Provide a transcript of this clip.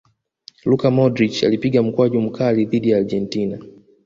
luka modric alipiga mkwaju mkali dhidi ya argentina